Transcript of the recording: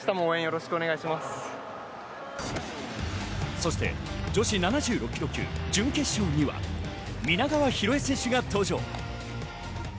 そして女子７６ｋｇ級準決勝には皆川博恵選手が登場。